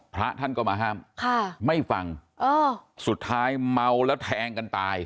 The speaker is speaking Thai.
พระท่านก็มาห้ามค่ะไม่ฟังสุดท้ายเมาแล้วแทงกันตาย